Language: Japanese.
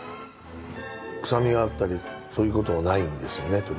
臭みがあったりそういうことがないんですよね